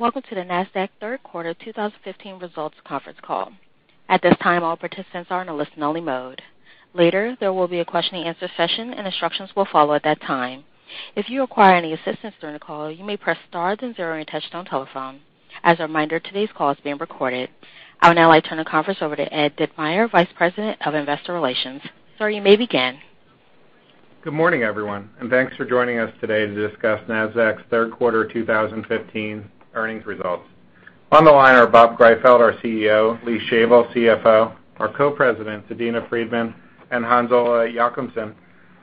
Welcome to the Nasdaq third quarter 2015 results conference call. At this time, all participants are in a listen-only mode. Later, there will be a question-and-answer session, and instructions will follow at that time. If you require any assistance during the call, you may press star then zero on your touch-tone telephone. As a reminder, today's call is being recorded. I would now like to turn the conference over to Ed Ditmire, Vice President of Investor Relations. Sir, you may begin. Good morning, everyone, thanks for joining us today to discuss Nasdaq's third quarter 2015 earnings results. On the line are Bob Greifeld, our CEO, Lee Shavel, CFO, our co-presidents, Adena Friedman and Hans-Ole Jochumsen,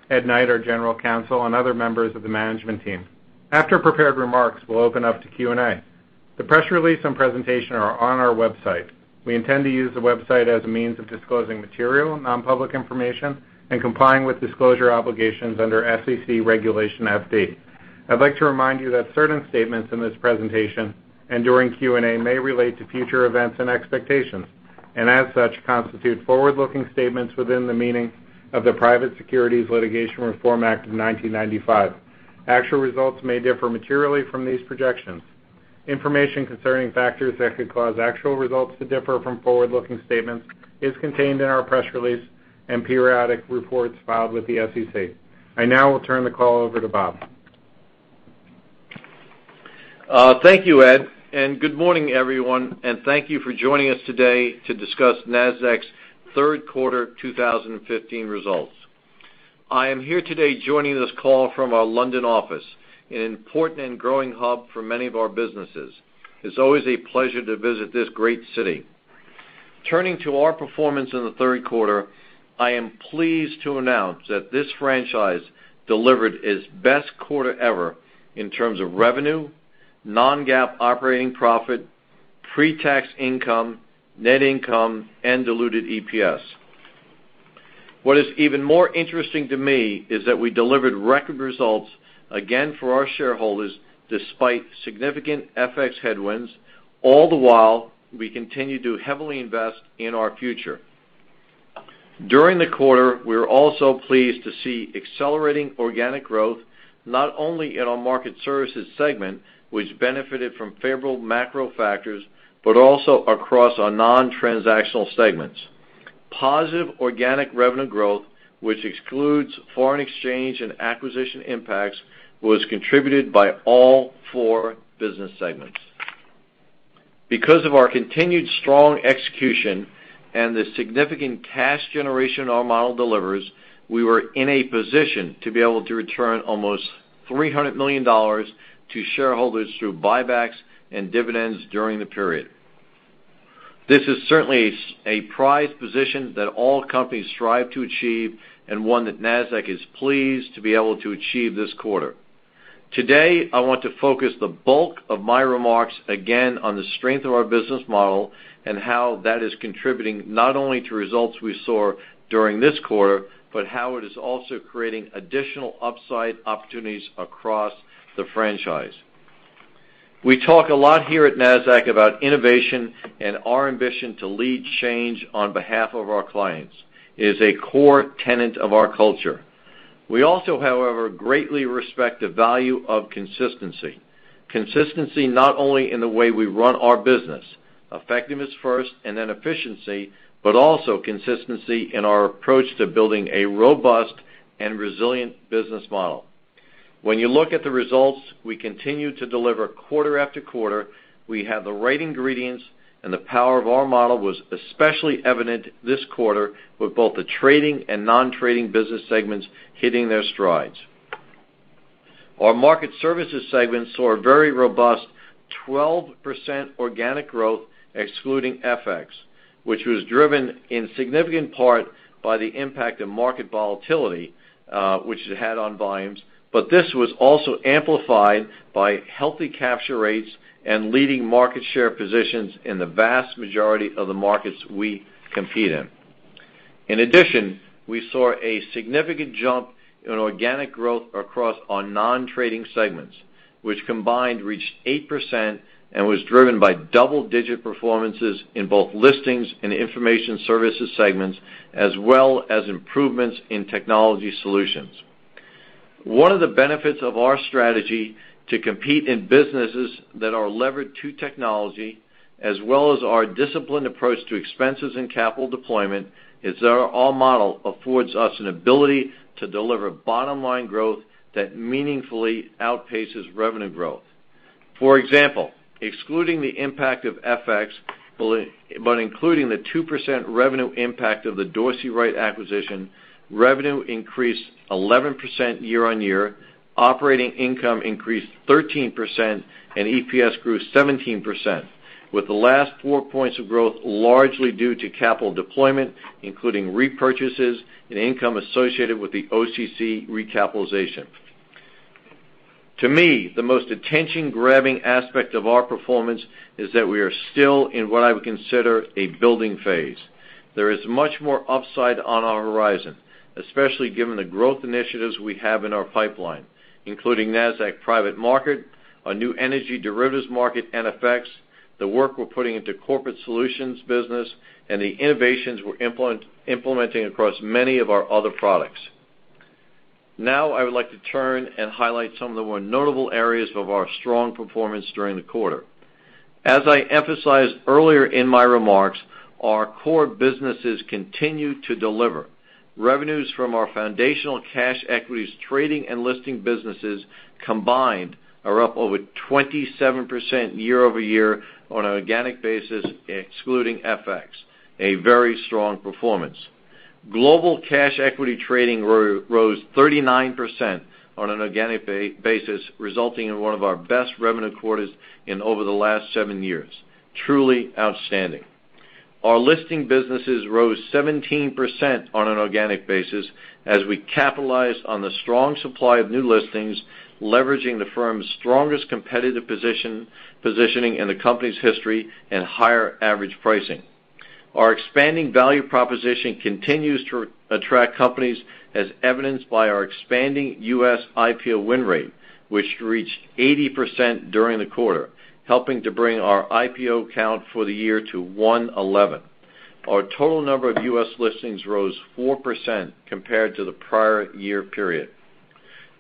Ed Knight, our general counsel, and other members of the management team. After prepared remarks, we'll open up to Q&A. The press release and presentation are on our website. We intend to use the website as a means of disclosing material, non-public information and complying with disclosure obligations under SEC Regulation FD. I'd like to remind you that certain statements in this presentation and during Q&A may relate to future events and expectations, and as such, constitute forward-looking statements within the meaning of the Private Securities Litigation Reform Act of 1995. Actual results may differ materially from these projections. Information concerning factors that could cause actual results to differ from forward-looking statements is contained in our press release and periodic reports filed with the SEC. I now will turn the call over to Bob. Thank you, Ed, good morning, everyone, and thank you for joining us today to discuss Nasdaq's third quarter 2015 results. I am here today joining this call from our London office, an important and growing hub for many of our businesses. It's always a pleasure to visit this great city. Turning to our performance in the third quarter, I am pleased to announce that this franchise delivered its best quarter ever in terms of revenue, non-GAAP operating profit, pre-tax income, net income, and diluted EPS. What is even more interesting to me is that we delivered record results again for our shareholders, despite significant FX headwinds. All the while, we continue to heavily invest in our future. During the quarter, we were also pleased to see accelerating organic growth, not only in our Market Services segment, which benefited from favorable macro factors, but also across our non-transactional segments. Positive organic revenue growth, which excludes foreign exchange and acquisition impacts, was contributed by all four business segments. Because of our continued strong execution and the significant cash generation our model delivers, we were in a position to be able to return almost $300 million to shareholders through buybacks and dividends during the period. This is certainly a prized position that all companies strive to achieve and one that Nasdaq is pleased to be able to achieve this quarter. Today, I want to focus the bulk of my remarks again on the strength of our business model and how that is contributing not only to results we saw during this quarter, but how it is also creating additional upside opportunities across the franchise. We talk a lot here at Nasdaq about innovation and our ambition to lead change on behalf of our clients. It is a core tenet of our culture. We also, however, greatly respect the value of consistency. Consistency not only in the way we run our business, effectiveness first, and then efficiency, but also consistency in our approach to building a robust and resilient business model. When you look at the results we continue to deliver quarter after quarter, we have the right ingredients, and the power of our model was especially evident this quarter with both the trading and non-trading business segments hitting their strides. Our market services segment saw a very robust 12% organic growth excluding FX, which was driven in significant part by the impact of market volatility, which it had on volumes, but this was also amplified by healthy capture rates and leading market share positions in the vast majority of the markets we compete in. We saw a significant jump in organic growth across our non-trading segments, which combined reached 8% and was driven by double-digit performances in both listings and information services segments, as well as improvements in technology solutions. One of the benefits of our strategy to compete in businesses that are levered to technology, as well as our disciplined approach to expenses and capital deployment, is that our model affords us an ability to deliver bottom-line growth that meaningfully outpaces revenue growth. Excluding the impact of FX, but including the 2% revenue impact of the Dorsey Wright acquisition, revenue increased 11% year-on-year, operating income increased 13%, and EPS grew 17%, with the last four points of growth largely due to capital deployment, including repurchases and income associated with the OCC recapitalization. To me, the most attention-grabbing aspect of our performance is that we are still in what I would consider a building phase. There is much more upside on our horizon, especially given the growth initiatives we have in our pipeline, including Nasdaq Private Market, our new energy derivatives market, NFX, the work we're putting into corporate solutions business, and the innovations we're implementing across many of our other products. I would like to turn and highlight some of the more notable areas of our strong performance during the quarter. As I emphasized earlier in my remarks, our core businesses continue to deliver. Revenues from our foundational cash equities, trading and listing businesses combined are up over 27% year-over-year on an organic basis, excluding FX, a very strong performance. Global cash equity trading rose 39% on an organic basis, resulting in one of our best revenue quarters in over the last seven years. Truly outstanding. Our listing businesses rose 17% on an organic basis as we capitalized on the strong supply of new listings, leveraging the firm's strongest competitive positioning in the company's history and higher average pricing. Our expanding value proposition continues to attract companies, as evidenced by our expanding U.S. IPO win rate, which reached 80% during the quarter, helping to bring our IPO count for the year to 111. Our total number of U.S. listings rose 4% compared to the prior year period.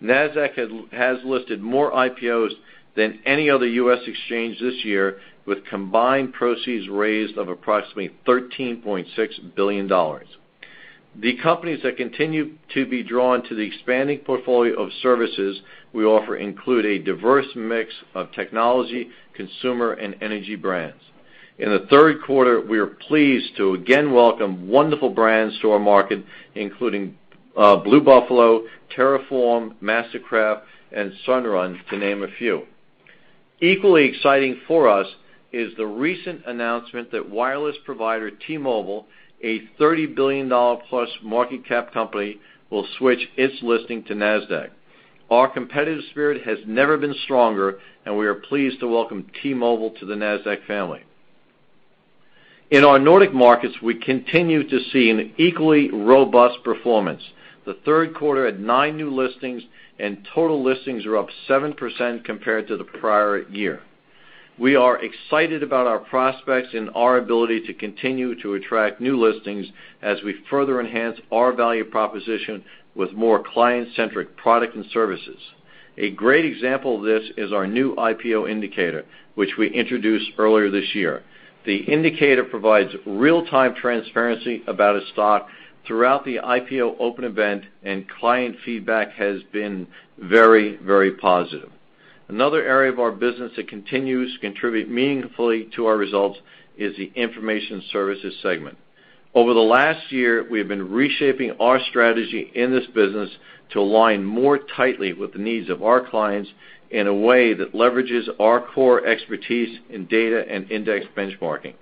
Nasdaq has listed more IPOs than any other U.S. exchange this year, with combined proceeds raised of approximately $13.6 billion. The companies that continue to be drawn to the expanding portfolio of services we offer include a diverse mix of technology, consumer, and energy brands. In the third quarter, we are pleased to again welcome wonderful brands to our market, including Blue Buffalo, TerraForm, MasterCraft and Sunrun, to name a few. Equally exciting for us is the recent announcement that wireless provider T-Mobile, a $30 billion plus market cap company, will switch its listing to Nasdaq. Our competitive spirit has never been stronger. We are pleased to welcome T-Mobile to the Nasdaq family. In our Nordic markets, we continue to see an equally robust performance. The third quarter had nine new listings. Total listings are up 7% compared to the prior year. We are excited about our prospects and our ability to continue to attract new listings as we further enhance our value proposition with more client-centric product and services. A great example of this is our new IPO Indicator, which we introduced earlier this year. The indicator provides real-time transparency about a stock throughout the IPO open event. Client feedback has been very positive. Another area of our business that continues to contribute meaningfully to our results is the information services segment. Over the last year, we have been reshaping our strategy in this business to align more tightly with the needs of our clients in a way that leverages our core expertise in data and index benchmarking.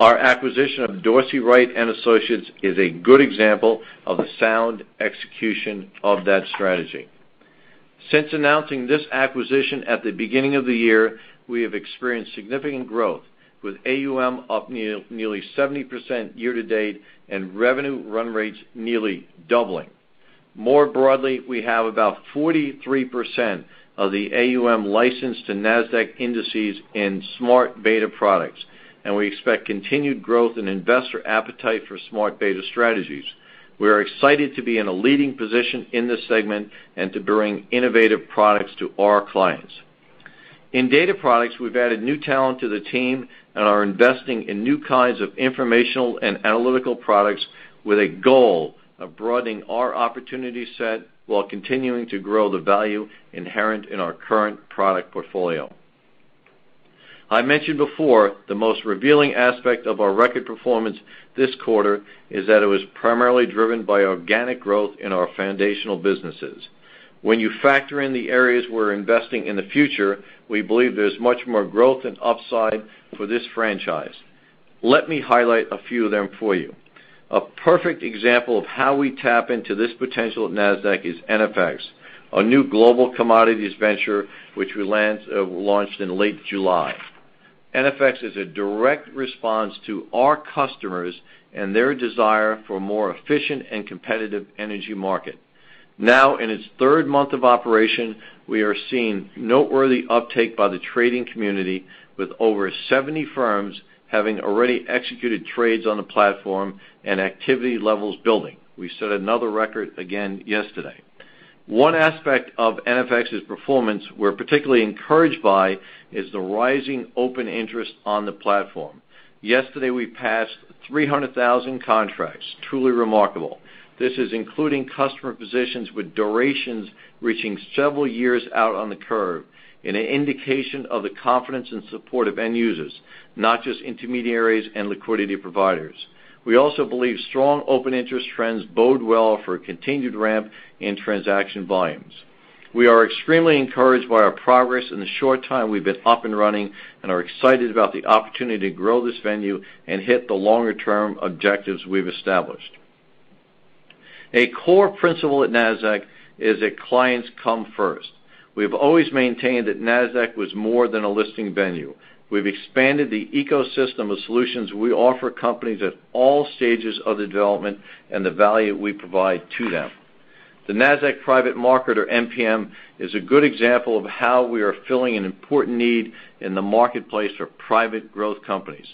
Our acquisition of Dorsey, Wright & Associates is a good example of the sound execution of that strategy. Since announcing this acquisition at the beginning of the year, we have experienced significant growth, with AUM up nearly 70% year to date and revenue run rates nearly doubling. More broadly, we have about 43% of the AUM licensed to Nasdaq indices in smart beta products. We expect continued growth in investor appetite for smart beta strategies. We are excited to be in a leading position in this segment and to bring innovative products to our clients. In data products, we've added new talent to the team and are investing in new kinds of informational and analytical products with a goal of broadening our opportunity set while continuing to grow the value inherent in our current product portfolio. I mentioned before the most revealing aspect of our record performance this quarter is that it was primarily driven by organic growth in our foundational businesses. When you factor in the areas we're investing in the future, we believe there's much more growth and upside for this franchise. Let me highlight a few of them for you. A perfect example of how we tap into this potential at Nasdaq is NFX, our new global commodities venture, which we launched in late July. NFX is a direct response to our customers and their desire for a more efficient and competitive energy market. Now, in its third month of operation, we are seeing noteworthy uptake by the trading community, with over 70 firms having already executed trades on the platform and activity levels building. We set another record again yesterday. One aspect of NFX's performance we're particularly encouraged by is the rising open interest on the platform. Yesterday, we passed 300,000 contracts. Truly remarkable. This is including customer positions with durations reaching several years out on the curve in an indication of the confidence and support of end users, not just intermediaries and liquidity providers. We also believe strong open interest trends bode well for continued ramp in transaction volumes. We are extremely encouraged by our progress in the short time we've been up and running and are excited about the opportunity to grow this venue and hit the longer-term objectives we've established. A core principle at Nasdaq is that clients come first. We have always maintained that Nasdaq was more than a listing venue. We've expanded the ecosystem of solutions we offer companies at all stages of development and the value we provide to them. The Nasdaq Private Market, or NPM, is a good example of how we are filling an important need in the marketplace for private growth companies.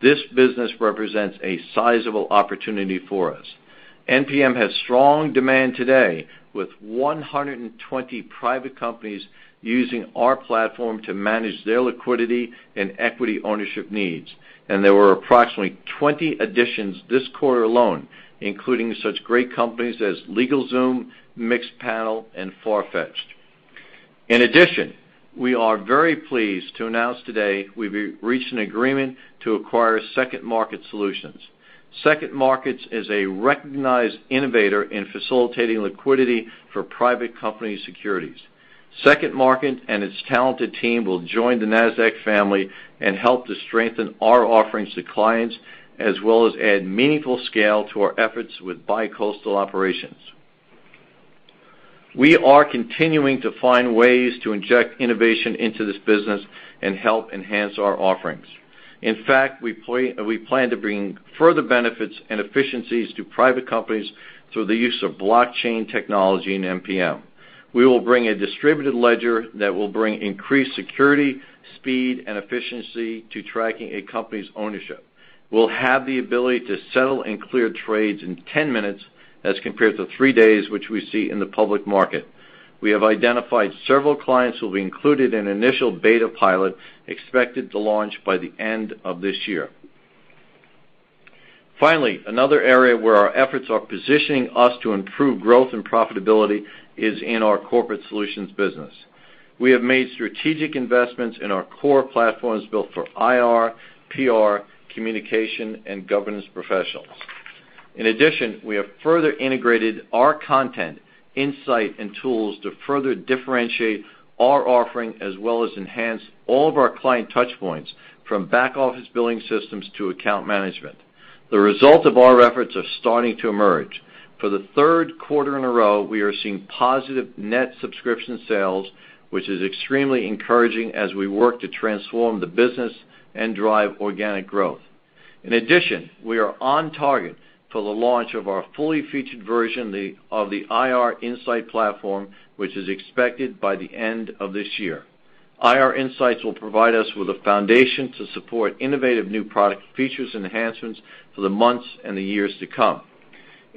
This business represents a sizable opportunity for us. NPM has strong demand today, with 120 private companies using our platform to manage their liquidity and equity ownership needs. There were approximately 20 additions this quarter alone, including such great companies as LegalZoom, Mixpanel, and Farfetch. In addition, we are very pleased to announce today we've reached an agreement to acquire SecondMarket Solutions. SecondMarket is a recognized innovator in facilitating liquidity for private company securities. SecondMarket and its talented team will join the Nasdaq family and help to strengthen our offerings to clients, as well as add meaningful scale to our efforts with bicoastal operations. We are continuing to find ways to inject innovation into this business and help enhance our offerings. In fact, we plan to bring further benefits and efficiencies to private companies through the use of blockchain technology in NPM. We will bring a distributed ledger that will bring increased security, speed, and efficiency to tracking a company's ownership, will have the ability to settle and clear trades in 10 minutes as compared to three days, which we see in the public market. We have identified several clients who will be included in initial beta pilot, expected to launch by the end of this year. Finally, another area where our efforts are positioning us to improve growth and profitability is in our corporate solutions business. We have made strategic investments in our core platforms built for IR, PR, communication, and governance professionals. In addition, we have further integrated our content, insight, and tools to further differentiate our offering, as well as enhance all of our client touchpoints, from back-office billing systems to account management. The result of our efforts are starting to emerge. For the third quarter in a row, we are seeing positive net subscription sales, which is extremely encouraging as we work to transform the business and drive organic growth. In addition, we are on target for the launch of our fully featured version of the Nasdaq IR Insight platform, which is expected by the end of this year. Nasdaq IR Insight will provide us with a foundation to support innovative new product features and enhancements for the months and the years to come.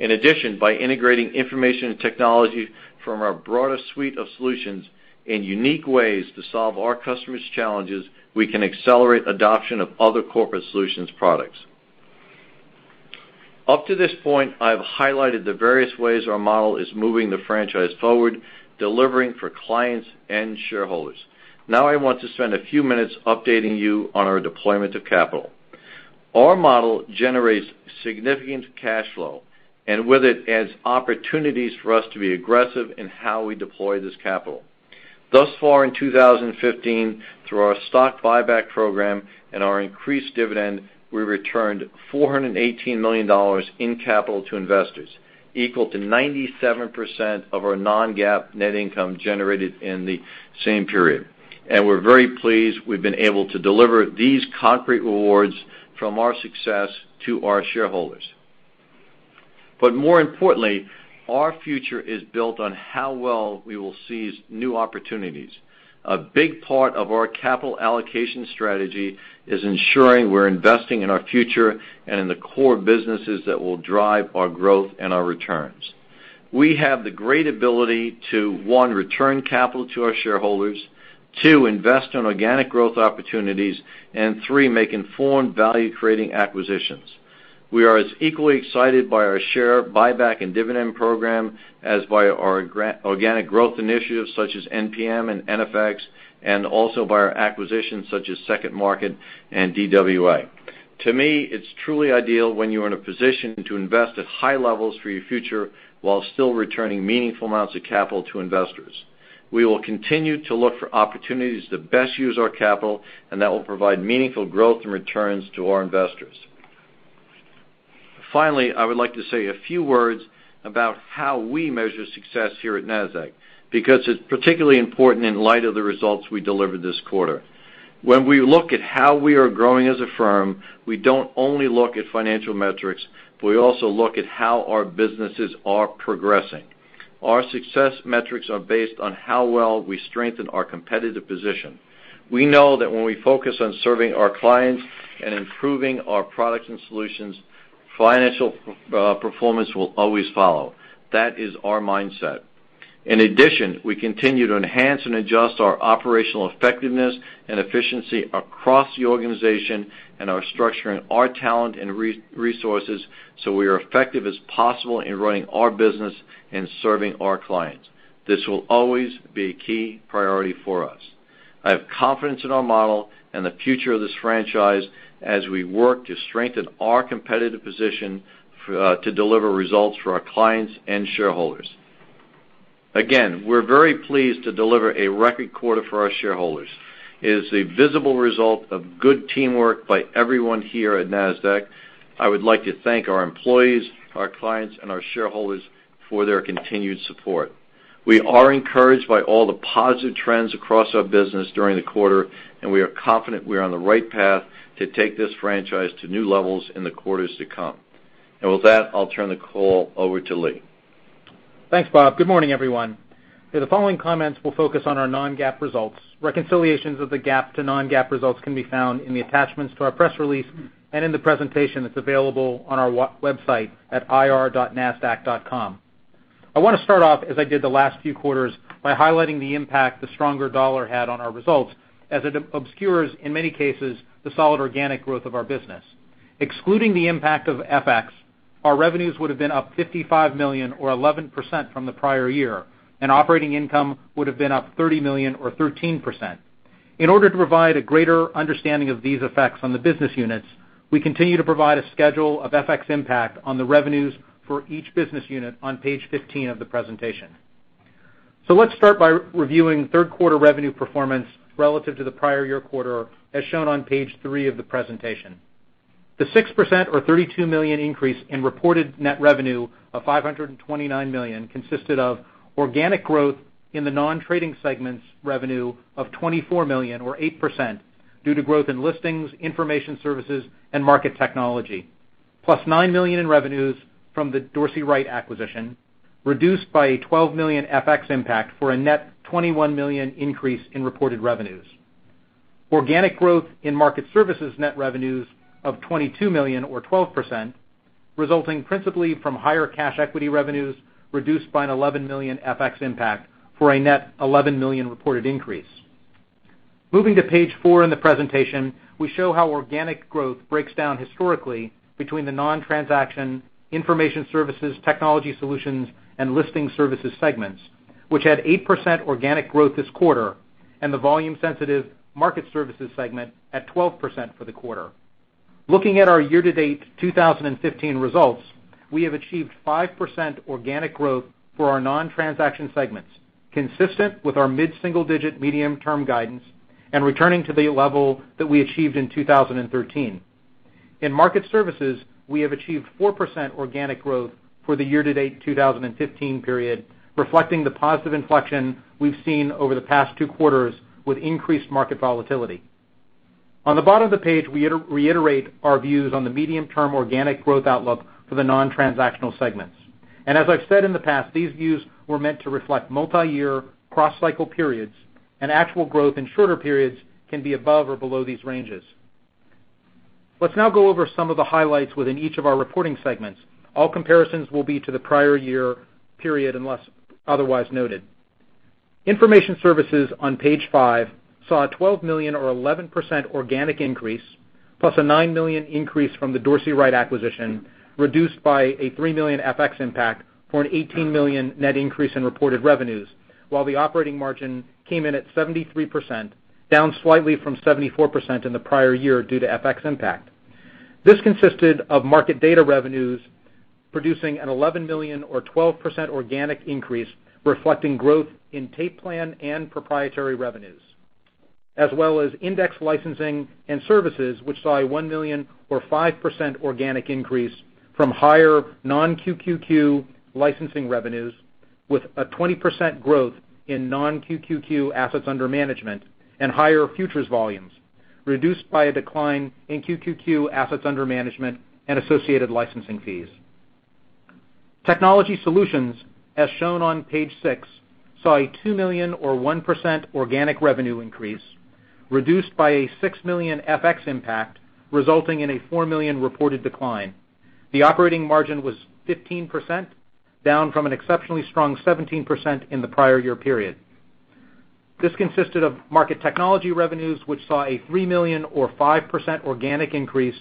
In addition, by integrating information and technology from our broader suite of solutions in unique ways to solve our customers' challenges, we can accelerate adoption of other corporate solutions products. Up to this point, I've highlighted the various ways our model is moving the franchise forward, delivering for clients and shareholders. I want to spend a few minutes updating you on our deployment of capital. Our model generates significant cash flow and with it adds opportunities for us to be aggressive in how we deploy this capital. Thus far in 2015, through our stock buyback program and our increased dividend, we returned $418 million in capital to investors, equal to 97% of our non-GAAP net income generated in the same period. We're very pleased we've been able to deliver these concrete rewards from our success to our shareholders. More importantly, our future is built on how well we will seize new opportunities. A big part of our capital allocation strategy is ensuring we're investing in our future and in the core businesses that will drive our growth and our returns. We have the great ability to, one, return capital to our shareholders, two, invest in organic growth opportunities, and three, make informed value-creating acquisitions. We are as equally excited by our share buyback and dividend program as by our organic growth initiatives such as NPM and NFX, and also by our acquisitions such as SecondMarket and DWA. To me, it's truly ideal when you are in a position to invest at high levels for your future, while still returning meaningful amounts of capital to investors. We will continue to look for opportunities to best use our capital, and that will provide meaningful growth and returns to our investors. Finally, I would like to say a few words about how we measure success here at Nasdaq, because it's particularly important in light of the results we delivered this quarter. When we look at how we are growing as a firm, we don't only look at financial metrics, but we also look at how our businesses are progressing. Our success metrics are based on how well we strengthen our competitive position. We know that when we focus on serving our clients and improving our products and solutions, financial performance will always follow. That is our mindset. In addition, we continue to enhance and adjust our operational effectiveness and efficiency across the organization and are structuring our talent and resources so we are effective as possible in running our business and serving our clients. This will always be a key priority for us. I have confidence in our model and the future of this franchise as we work to strengthen our competitive position to deliver results for our clients and shareholders. We're very pleased to deliver a record quarter for our shareholders. It is a visible result of good teamwork by everyone here at Nasdaq. I would like to thank our employees, our clients, and our shareholders for their continued support. We are encouraged by all the positive trends across our business during the quarter, and we are confident we are on the right path to take this franchise to new levels in the quarters to come. With that, I'll turn the call over to Lee. Thanks, Bob. Good morning, everyone. The following comments will focus on our non-GAAP results. Reconciliations of the GAAP to non-GAAP results can be found in the attachments to our press release and in the presentation that's available on our website at ir.nasdaq.com. I want to start off, as I did the last few quarters, by highlighting the impact the stronger dollar had on our results, as it obscures, in many cases, the solid organic growth of our business. Excluding the impact of FX, our revenues would have been up $55 million or 11% from the prior year, and operating income would have been up $30 million or 13%. In order to provide a greater understanding of these effects on the business units, we continue to provide a schedule of FX impact on the revenues for each business unit on page 15 of the presentation. Let's start by reviewing third-quarter revenue performance relative to the prior year quarter, as shown on page three of the presentation. The 6% or $32 million increase in reported net revenue of $529 million consisted of organic growth in the non-trading segments revenue of $24 million or 8% due to growth in listings, information services, and market technology, plus $9 million in revenues from the Dorsey Wright acquisition, reduced by a $12 million FX impact for a net $21 million increase in reported revenues. Organic growth in market services net revenues of $22 million or 12%, resulting principally from higher cash equity revenues reduced by an $11 million FX impact for a net $11 million reported increase. Moving to page four in the presentation, we show how organic growth breaks down historically between the non-transaction information services, technology solutions, and listing services segments, which had 8% organic growth this quarter, and the volume-sensitive market services segment at 11% for the quarter. Looking at our year-to-date 2015 results, we have achieved 5% organic growth for our non-transaction segments, consistent with our mid-single-digit medium-term guidance and returning to the level that we achieved in 2013. In market services, we have achieved 4% organic growth for the year-to-date 2015 period, reflecting the positive inflection we've seen over the past two quarters with increased market volatility. On the bottom of the page, we reiterate our views on the medium-term organic growth outlook for the non-transactional segments. As I've said in the past, these views were meant to reflect multi-year cross-cycle periods, and actual growth in shorter periods can be above or below these ranges. Let's now go over some of the highlights within each of our reporting segments. All comparisons will be to the prior year period unless otherwise noted. Information services on page five saw a $12 million or 11% organic increase, plus a $9 million increase from the Dorsey Wright acquisition, reduced by a $3 million FX impact for an $18 million net increase in reported revenues. The operating margin came in at 73%, down slightly from 74% in the prior year due to FX impact. This consisted of market data revenues producing an $11 million or 12% organic increase, reflecting growth in tape plan and proprietary revenues. Well as index licensing and services, which saw a $1 million or 5% organic increase from higher non-QQQ licensing revenues with a 20% growth in non-QQQ assets under management and higher futures volumes, reduced by a decline in QQQ assets under management and associated licensing fees. Technology solutions, as shown on page six, saw a $2 million or 1% organic revenue increase, reduced by a $6 million FX impact, resulting in a $4 million reported decline. The operating margin was 15%, down from an exceptionally strong 17% in the prior year period. This consisted of market technology revenues, which saw a $3 million or 5% organic increase,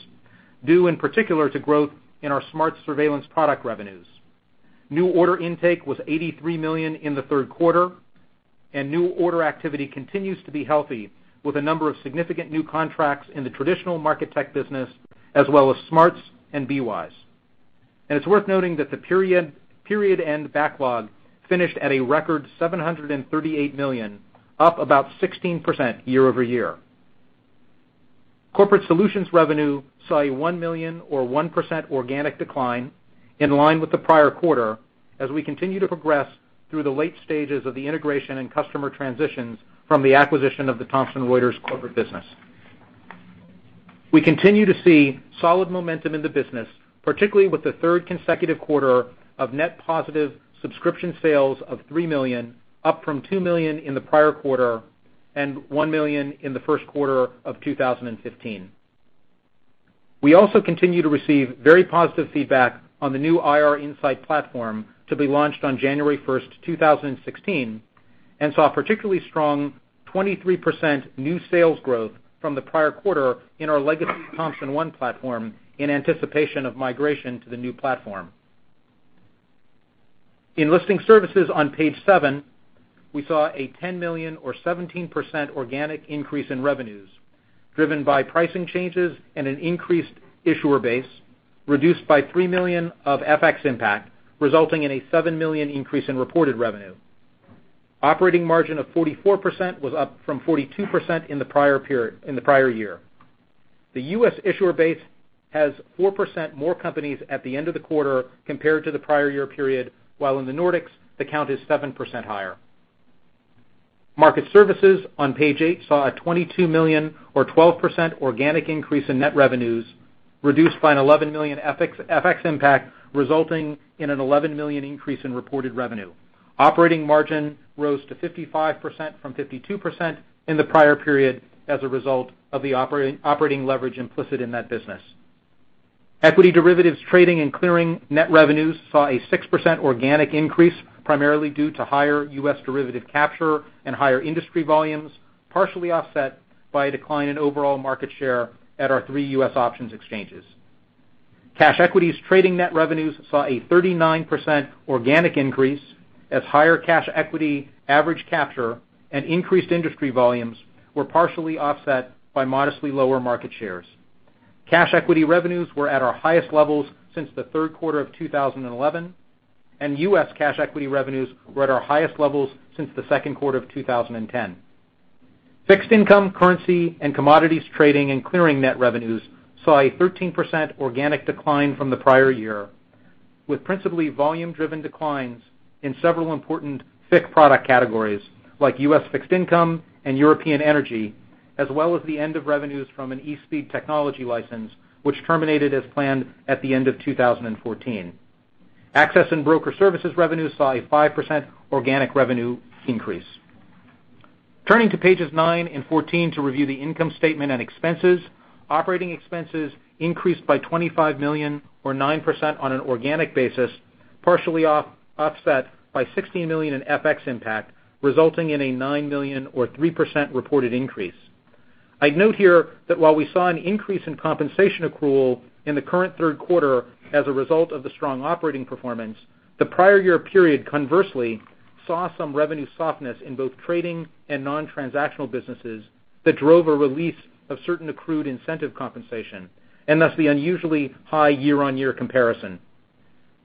due in particular to growth in our SMARTS surveillance product revenues. New order intake was $83 million in the third quarter. New order activity continues to be healthy with a number of significant new contracts in the traditional market tech business, as well as SMARTS and BWise. It's worth noting that the period end backlog finished at a record $738 million, up about 16% year-over-year. Corporate Solutions revenue saw a $1 million or 1% organic decline in line with the prior quarter as we continue to progress through the late stages of the integration and customer transitions from the acquisition of the Thomson Reuters corporate business. We continue to see solid momentum in the business, particularly with the third consecutive quarter of net positive subscription sales of $3 million, up from $2 million in the prior quarter and $1 million in the first quarter of 2015. We also continue to receive very positive feedback on the new Nasdaq IR Insight platform to be launched on January 1, 2016. Saw particularly strong 23% new sales growth from the prior quarter in our legacy Thomson ONE platform in anticipation of migration to the new platform. In listing services on page seven, we saw a $10 million or 17% organic increase in revenues, driven by pricing changes and an increased issuer base reduced by $3 million of FX impact, resulting in a $7 million increase in reported revenue. Operating margin of 44% was up from 42% in the prior year. The U.S. issuer base has 4% more companies at the end of the quarter compared to the prior year period, while in the Nordics, the count is 7% higher. Market services on page eight saw a $22 million or 12% organic increase in net revenues, reduced by an $11 million FX impact, resulting in an $11 million increase in reported revenue. Operating margin rose to 55% from 52% in the prior period as a result of the operating leverage implicit in that business. Equity derivatives trading and clearing net revenues saw a 6% organic increase, primarily due to higher U.S. derivative capture and higher industry volumes, partially offset by a decline in overall market share at our three U.S. options exchanges. Cash equities trading net revenues saw a 39% organic increase as higher cash equity average capture and increased industry volumes were partially offset by modestly lower market shares. Cash equity revenues were at our highest levels since the third quarter of 2011, and U.S. cash equity revenues were at our highest levels since the second quarter of 2010. Fixed income, currency, and commodities trading and clearing net revenues saw a 13% organic decline from the prior year, with principally volume-driven declines in several important FICC product categories like U.S. fixed income and European energy, as well as the end of revenues from an eSpeed technology license, which terminated as planned at the end of 2014. Access and broker services revenues saw a 5% organic revenue increase. Turning to pages nine and 14 to review the income statement and expenses. Operating expenses increased by $25 million or 9% on an organic basis, partially offset by $16 million in FX impact, resulting in a $9 million or 3% reported increase. I'd note here that while we saw an increase in compensation accrual in the current third quarter as a result of the strong operating performance, the prior year period conversely saw some revenue softness in both trading and non-transactional businesses that drove a release of certain accrued incentive compensation, thus the unusually high year-over-year comparison.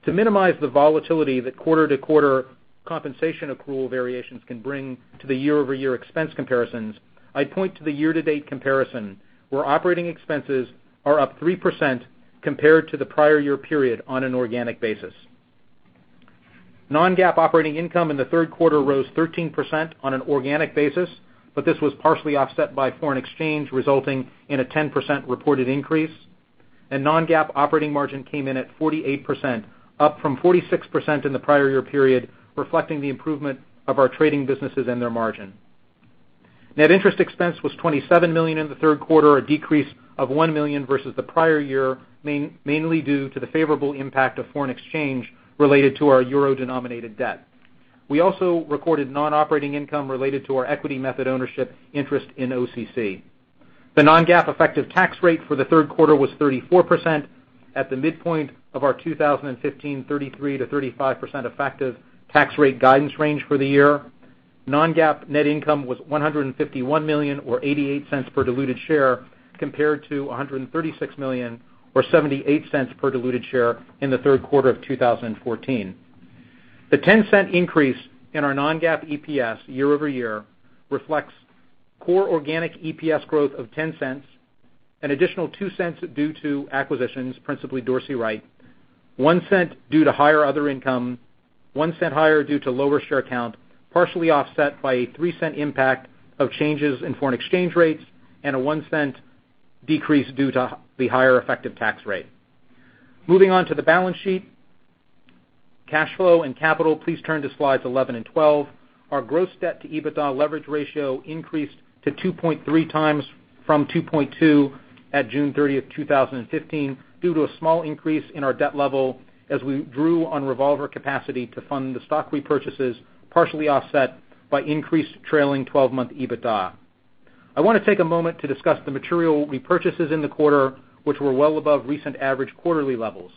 To minimize the volatility that quarter-to-quarter compensation accrual variations can bring to the year-over-year expense comparisons, I'd point to the year-to-date comparison, where operating expenses are up 3% compared to the prior year period on an organic basis. non-GAAP operating income in the third quarter rose 13% on an organic basis, but this was partially offset by foreign exchange, resulting in a 10% reported increase, and non-GAAP operating margin came in at 48%, up from 46% in the prior year period, reflecting the improvement of our trading businesses and their margin. Net interest expense was $27 million in the third quarter, a decrease of $1 million versus the prior year, mainly due to the favorable impact of foreign exchange related to our euro-denominated debt. We also recorded non-operating income related to our equity method ownership interest in OCC. The non-GAAP effective tax rate for the third quarter was 34% at the midpoint of our 2015 33%-35% effective tax rate guidance range for the year. non-GAAP net income was $151 million or $0.88 per diluted share, compared to $136 million or $0.78 per diluted share in the third quarter of 2014. The $0.10 increase in our non-GAAP EPS year-over-year reflects core organic EPS growth of $0.10, an additional $0.02 due to acquisitions, principally Dorsey Wright, $0.01 due to higher other income, $0.01 higher due to lower share count, partially offset by a $0.03 impact of changes in foreign exchange rates, and a $0.01 decrease due to the higher effective tax rate. Moving on to the balance sheet, cash flow, and capital, please turn to slides 11 and 12. Our gross debt to EBITDA leverage ratio increased to 2.3 times from 2.2 at June 30th, 2015, due to a small increase in our debt level as we drew on revolver capacity to fund the stock repurchases, partially offset by increased trailing 12-month EBITDA. I want to take a moment to discuss the material repurchases in the quarter, which were well above recent average quarterly levels.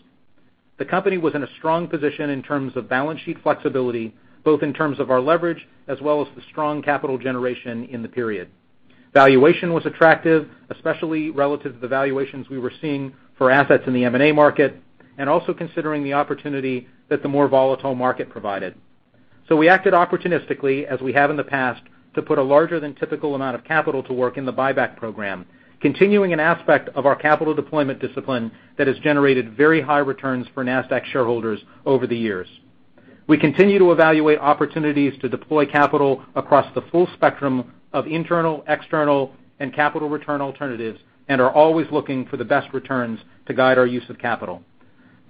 The company was in a strong position in terms of balance sheet flexibility, both in terms of our leverage as well as the strong capital generation in the period. Valuation was attractive, especially relative to the valuations we were seeing for assets in the M&A market, also considering the opportunity that the more volatile market provided. We acted opportunistically, as we have in the past, to put a larger than typical amount of capital to work in the buyback program, continuing an aspect of our capital deployment discipline that has generated very high returns for Nasdaq shareholders over the years. We continue to evaluate opportunities to deploy capital across the full spectrum of internal, external, and capital return alternatives and are always looking for the best returns to guide our use of capital.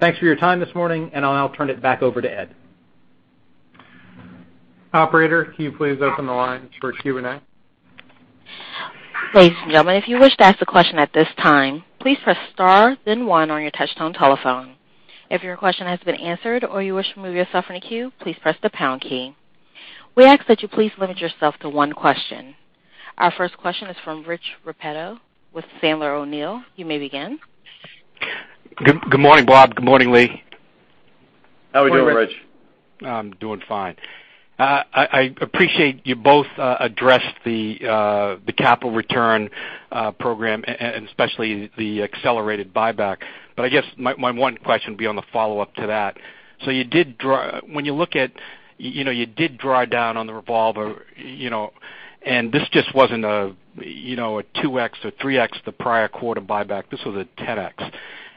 Thanks for your time this morning, and I'll now turn it back over to Ed. Operator, can you please open the lines for Q&A? Ladies and gentlemen, if you wish to ask a question at this time, please press star then one on your touchtone telephone. If your question has been answered or you wish to remove yourself from the queue, please press the pound key. We ask that you please limit yourself to one question. Our first question is from Richard Repetto with Sandler O'Neill. You may begin. Good morning, Bob. Good morning, Lee. Good morning, Rich. How are you, Rich? I'm doing fine. I appreciate you both addressed the capital return program, and especially the accelerated buyback. I guess my one question would be on the follow-up to that. When you look at, you did draw down on the revolver. This just wasn't a 2x or 3x the prior quarter buyback, this was a 10x.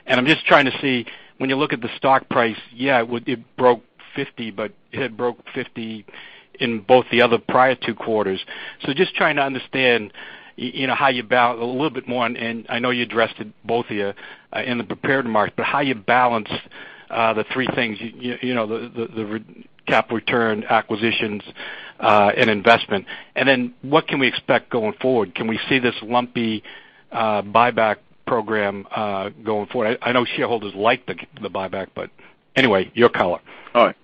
I'm just trying to see, when you look at the stock price, yeah, it broke 50, but it had broke 50 in both the other prior two quarters. Just trying to understand a little bit more on, and I know you addressed it, both of you, in the prepared remarks, but how you balanced the three things, the cap return, acquisitions, and investment. What can we expect going forward? Can we see this lumpy buyback program going forward? I know shareholders like the buyback. Anyway, your call. All right.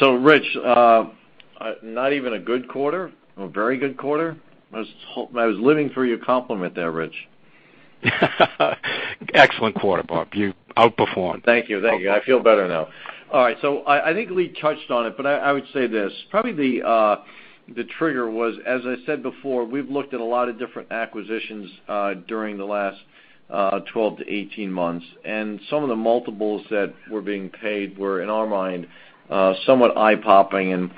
Rich, not even a good quarter, or a very good quarter? I was living through your compliment there, Rich. Excellent quarter, Bob. You outperformed. Thank you. I feel better now. All right. I think Lee touched on it, but I would say this, probably the trigger was, as I said before, we've looked at a lot of different acquisitions during the last 12 to 18 months, and some of the multiples that were being paid were, in our mind, somewhat eye-popping and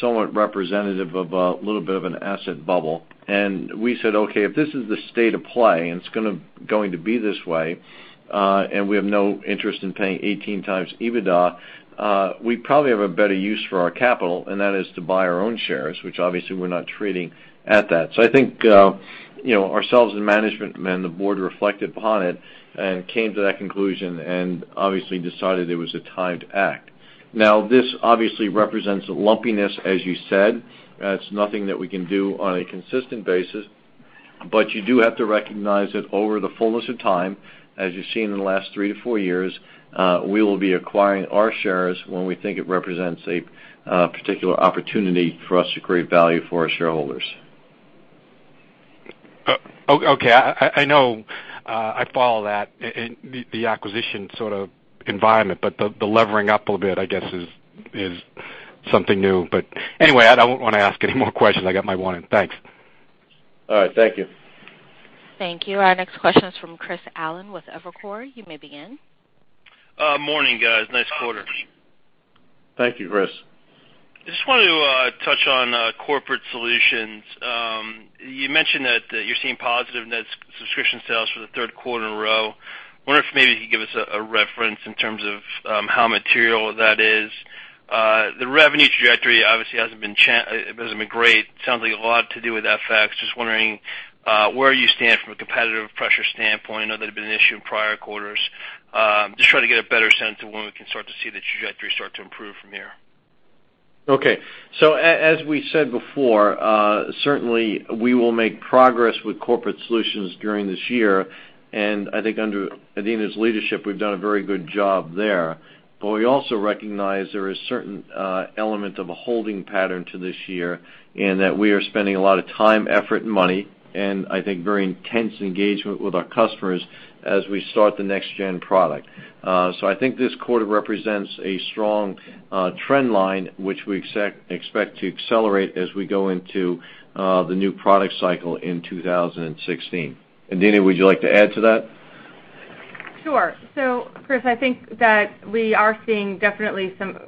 somewhat representative of a little bit of an asset bubble. We said, "Okay, if this is the state of play, and it's going to be this way, we have no interest in paying 18 times EBITDA, we probably have a better use for our capital, and that is to buy our own shares, which obviously we're not treating at that." I think, ourselves and management and the board reflected upon it and came to that conclusion and obviously decided it was a time to act. This obviously represents a lumpiness, as you said. It's nothing that we can do on a consistent basis. You do have to recognize that over the fullness of time, as you've seen in the last three to four years, we will be acquiring our shares when we think it represents a particular opportunity for us to create value for our shareholders. Okay. I know. I follow that, the acquisition sort of environment, the levering up a bit, I guess, is something new. Anyway, I don't want to ask any more questions. I got my one in. Thanks. All right. Thank you. Thank you. Our next question is from Chris Allen with Evercore. You may begin. Morning, guys. Nice quarter. Thank you, Chris. I just wanted to touch on Corporate Solutions. You mentioned that you're seeing positive net subscription sales for the third quarter in a row. I wonder if maybe you could give us a reference in terms of how material that is. The revenue trajectory obviously hasn't been great. Sounds like a lot to do with FX. Just wondering where you stand from a competitive pressure standpoint. I know that had been an issue in prior quarters. Just trying to get a better sense of when we can start to see the trajectory start to improve from here. Okay. As we said before, certainly we will make progress with Corporate Solutions during this year. I think under Adena's leadership, we've done a very good job there. We also recognize there is a certain element of a holding pattern to this year, and that we are spending a lot of time, effort, and money, and I think very intense engagement with our customers as we start the next-gen product. I think this quarter represents a strong trend line, which we expect to accelerate as we go into the new product cycle in 2016. Adena, would you like to add to that? Sure. Chris, I think that we are seeing definitely some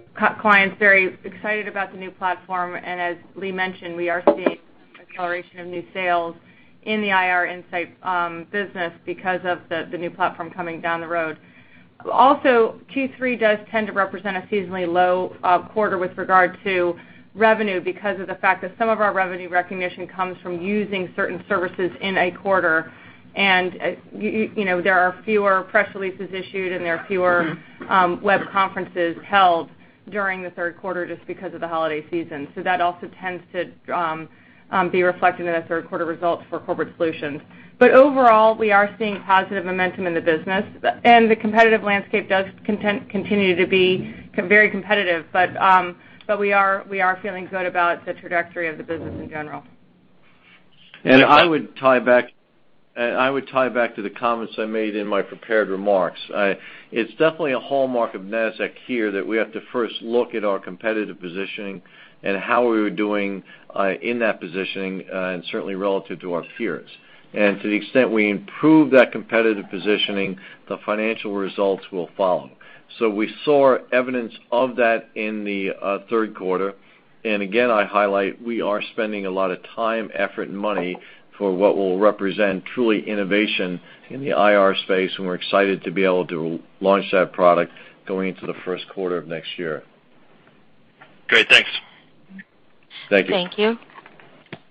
clients very excited about the new platform, and as Lee mentioned, we are seeing acceleration of new sales in the IR Insight business because of the new platform coming down the road. Q3 does tend to represent a seasonally low quarter with regard to revenue because of the fact that some of our revenue recognition comes from using certain services in a quarter. There are fewer press releases issued and there are fewer web conferences held during the third quarter just because of the holiday season. That also tends to be reflected in the third quarter results for Corporate Solutions. Overall, we are seeing positive momentum in the business, and the competitive landscape does continue to be very competitive, but we are feeling good about the trajectory of the business in general. I would tie back to the comments I made in my prepared remarks. It's definitely a hallmark of Nasdaq here that we have to first look at our competitive positioning and how we were doing in that positioning, and certainly relative to our peers. To the extent we improve that competitive positioning, the financial results will follow. We saw evidence of that in the third quarter. Again, I highlight, we are spending a lot of time, effort, and money for what will represent truly innovation in the IR space, and we're excited to be able to launch that product going into the first quarter of next year. Great. Thanks. Thank you. Thank you.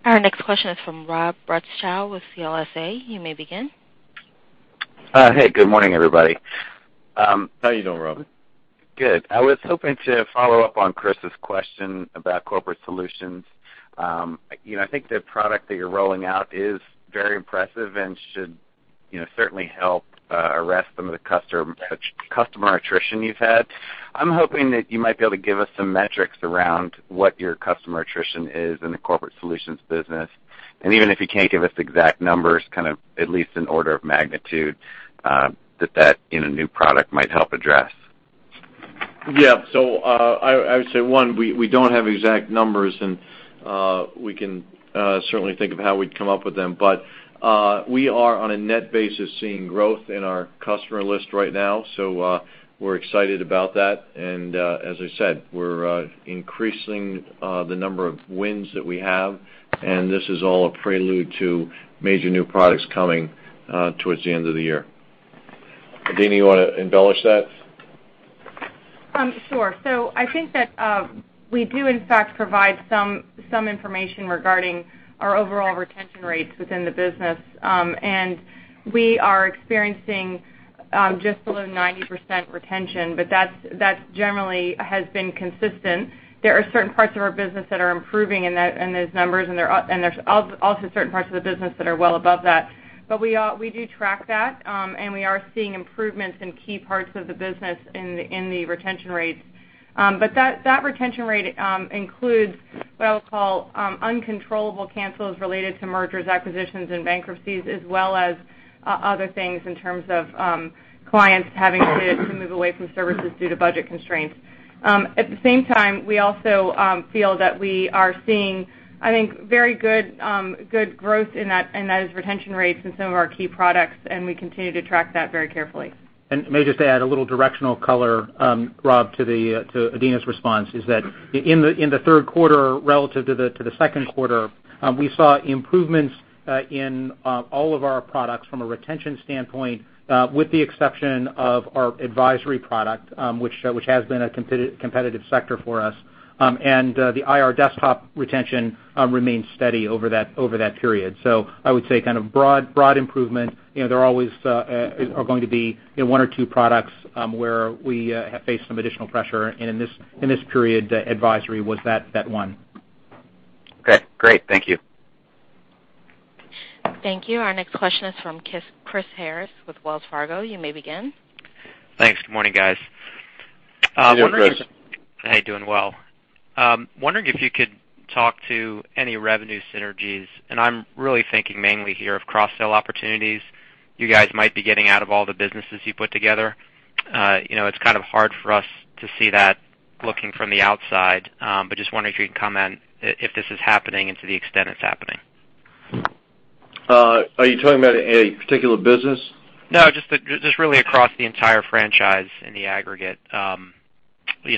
Our next question is from Rob Bradshaw with CLSA. You may begin. Hey, good morning, everybody. How you doing, Rob? Good. I was hoping to follow up on Chris's question about Corporate Solutions. I think the product that you're rolling out is very impressive and should certainly help arrest some of the customer attrition you've had. I'm hoping that you might be able to give us some metrics around what your customer attrition is in the Corporate Solutions business. Even if you can't give us exact numbers, kind of at least an order of magnitude that that, in a new product, might help address. I would say, one, we don't have exact numbers, and we can certainly think of how we'd come up with them. We are, on a net basis, seeing growth in our customer list right now, so we're excited about that. As I said, we're increasing the number of wins that we have, and this is all a prelude to major new products coming towards the end of the year. Adena, you want to embellish that? Sure. I think that we do in fact provide some information regarding our overall retention rates within the business. We are experiencing just below 90% retention, but that generally has been consistent. There are certain parts of our business that are improving in those numbers, and there's also certain parts of the business that are well above that. We do track that, and we are seeing improvements in key parts of the business in the retention rates. That retention rate includes what I'll call uncontrollable cancels related to mergers, acquisitions, and bankruptcies, as well as other things in terms of clients having to move away from services due to budget constraints. At the same time, we also feel that we are seeing, I think, very good growth in those retention rates in some of our key products, and we continue to track that very carefully. May I just add a little directional color, Rob, to Adena's response, is that in the third quarter relative to the second quarter, we saw improvements in all of our products from a retention standpoint, with the exception of our advisory product, which has been a competitive sector for us. The IR Insight retention remains steady over that period. I would say kind of broad improvement. There always are going to be one or two products where we have faced some additional pressure. In this period, advisory was that one. Okay, great. Thank you. Thank you. Our next question is from Christopher Harris with Wells Fargo. You may begin. Thanks. Good morning, guys. Good. Hey, doing well. Wondering if you could talk to any revenue synergies, I'm really thinking mainly here of cross-sell opportunities you guys might be getting out of all the businesses you put together. It's kind of hard for us to see that looking from the outside. Just wondering if you can comment if this is happening and to the extent it's happening. Are you talking about a particular business? No, just really across the entire franchise in the aggregate,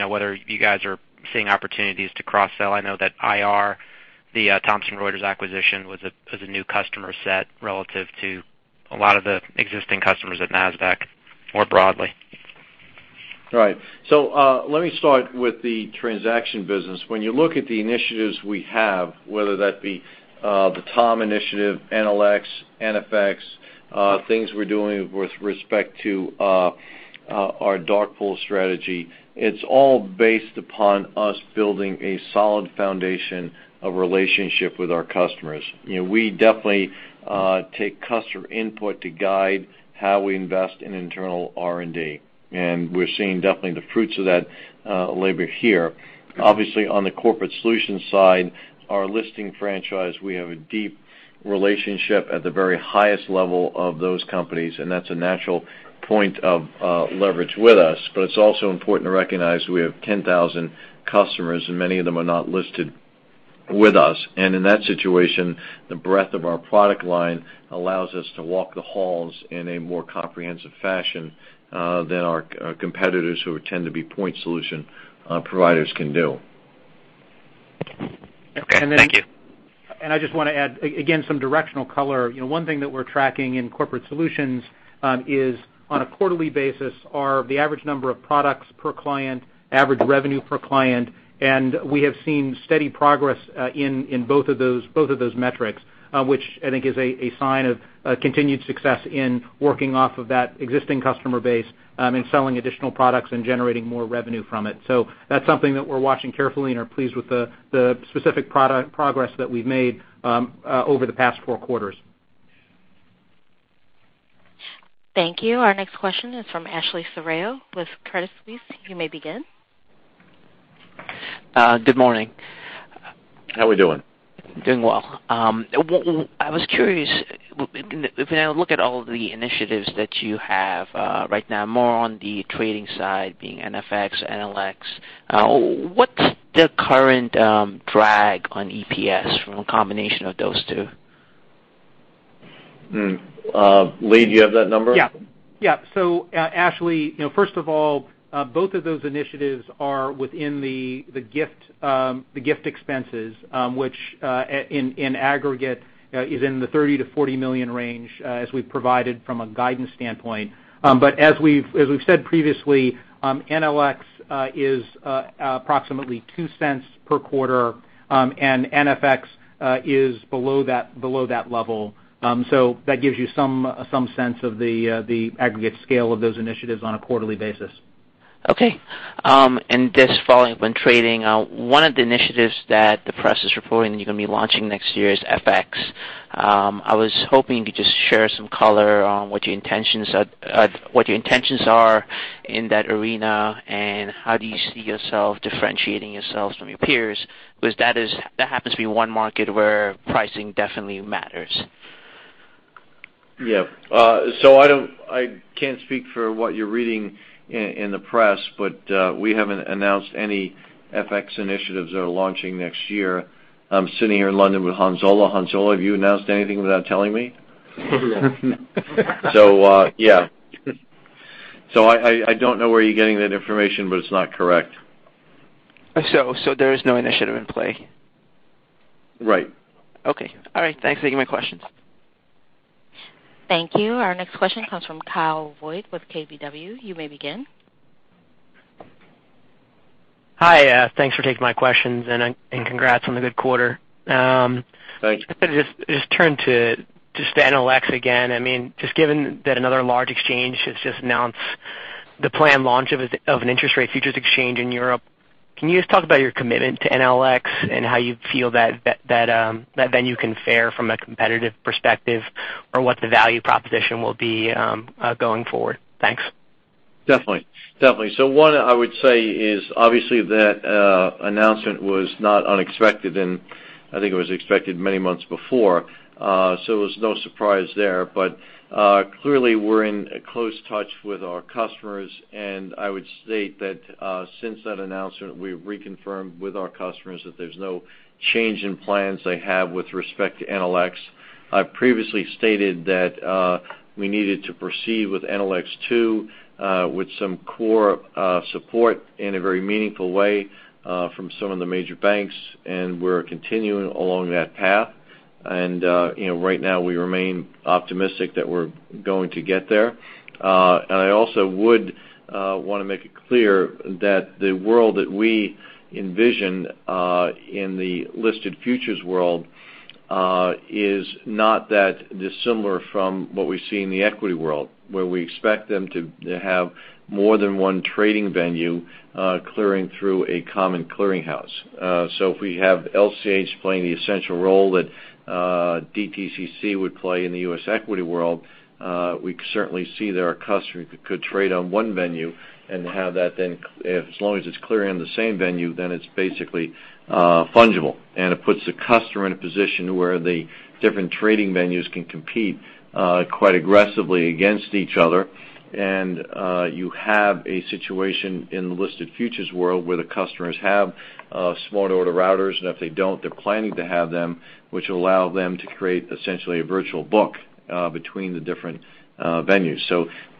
whether you guys are seeing opportunities to cross-sell. I know that IR, the Thomson Reuters acquisition, was a new customer set relative to a lot of the existing customers at Nasdaq more broadly. Right. Let me start with the transaction business. When you look at the initiatives we have, whether that be the TOM initiative, NLX, NFX, things we're doing with respect to our dark pool strategy, it's all based upon us building a solid foundation of relationship with our customers. We definitely take customer input to guide how we invest in internal R&D, and we're seeing definitely the fruits of that labor here. Obviously, on the corporate solutions side, our listing franchise, we have a deep relationship at the very highest level of those companies, and that's a natural point of leverage with us. It's also important to recognize we have 10,000 customers, and many of them are not listed with us. In that situation, the breadth of our product line allows us to walk the halls in a more comprehensive fashion than our competitors, who tend to be point solution providers, can do. Okay. Thank you. I just want to add, again, some directional color. One thing that we're tracking in corporate solutions is, on a quarterly basis, are the average number of products per client, average revenue per client, and we have seen steady progress in both of those metrics, which I think is a sign of continued success in working off of that existing customer base and selling additional products and generating more revenue from it. That's something that we're watching carefully and are pleased with the specific progress that we've made over the past four quarters. Thank you. Our next question is from Ashley Serrao with Credit Suisse. You may begin. Good morning. How we doing? Doing well. I was curious, if I look at all the initiatives that you have right now, more on the trading side being NFX, NLX, what's the current drag on EPS from a combination of those two? Lee, do you have that number? Yeah. Ashley, first of all, both of those initiatives are within the gift expenses, which in aggregate is in the $30 million-$40 million range as we provided from a guidance standpoint. As we've said previously, NLX is approximately $0.02 per quarter, and NFX is below that level. That gives you some sense of the aggregate scale of those initiatives on a quarterly basis. Okay. This following up on trading, one of the initiatives that the press is reporting that you're going to be launching next year is FX. I was hoping you could just share some color on what your intentions are in that arena, and how do you see yourself differentiating yourselves from your peers? That happens to be one market where pricing definitely matters. Yeah. I can't speak for what you're reading in the press, but we haven't announced any FX initiatives that are launching next year. I'm sitting here in London with Hans-Ole. Hans-Ole, have you announced anything without telling me? Yeah. I don't know where you're getting that information, but it's not correct. There is no initiative in play? Right. Okay. All right, thanks for taking my questions. Thank you. Our next question comes from Kyle Voigt with KBW. You may begin. Hi, thanks for taking my questions, and congrats on the good quarter. Thanks. Turn to NLX again. Given that another large exchange has just announced the planned launch of an interest rate futures exchange in Europe, can you just talk about your commitment to NLX and how you feel that venue can fare from a competitive perspective, or what the value proposition will be going forward? Thanks. Definitely. One, I would say is, obviously, that announcement was not unexpected, and I think it was expected many months before, so it was no surprise there. Clearly, we're in close touch with our customers, and I would state that since that announcement, we've reconfirmed with our customers that there's no change in plans they have with respect to NLX. I previously stated that we needed to proceed with NLX too, with some core support in a very meaningful way from some of the major banks, and we're continuing along that path. Right now, we remain optimistic that we're going to get there. I also would want to make it clear that the world that we envision in the listed futures world is not that dissimilar from what we see in the equity world, where we expect them to have more than one trading venue clearing through a common clearing house. If we have LCH playing the essential role that DTCC would play in the U.S. equity world, we certainly see that our customer could trade on one venue and have that then, as long as it's clearing the same venue, then it's basically fungible. It puts the customer in a position where the different trading venues can compete quite aggressively against each other. You have a situation in the listed futures world where the customers have smart order routers, and if they don't, they're planning to have them, which will allow them to create essentially a virtual book between the different venues.